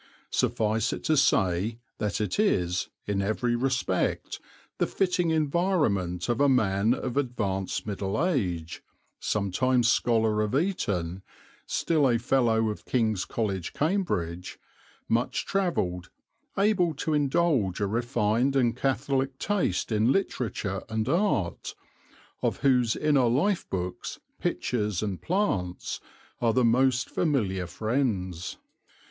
Suffice it to say that it is, in every respect, the fitting environment of a man of advanced middle age, sometime scholar of Eton, still a Fellow of King's College, Cambridge, much travelled, able to indulge a refined and catholic taste in literature and art, of whose inner life books, pictures and plants are the most familiar friends.